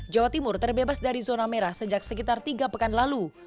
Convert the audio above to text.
jawa timur terbebas dari zona merah sejak sekitar tiga pekan lalu